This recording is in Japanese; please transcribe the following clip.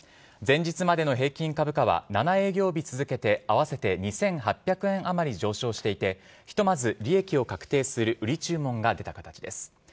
前日までの平均株価は７営業日続けて合わせて２８００円あまり上昇していてひとまず利益を確定する売り注文が出た形です。